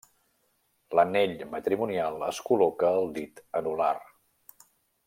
L'anell matrimonial es col·loca al dit anular.